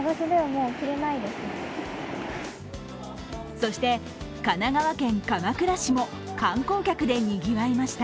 そして、神奈川県鎌倉市も観光客でにぎわいました。